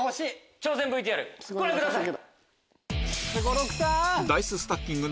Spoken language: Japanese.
挑戦ＶＴＲご覧ください！